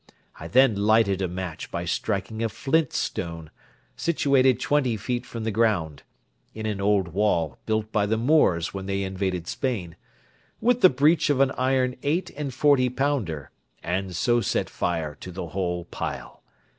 I then lighted a match by striking a flint stone, situated twenty feet from the ground (in an old wall built by the Moors when they invaded Spain), with the breech of an iron eight and forty pounder, and so set fire to the whole pile.